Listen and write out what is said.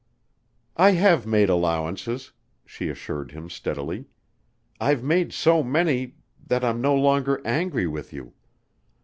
"I have made allowances," she assured him steadily. "I've made so many that I'm no longer angry with you.